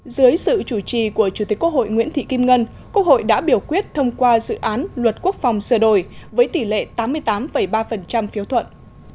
dưới sự chủ trì của chủ tịch quốc hội nguyễn thị kim ngân quốc hội đã biểu quyết thông qua dự án luật quốc phòng sửa đổi với tỷ lệ tám mươi tám ba phiếu thuận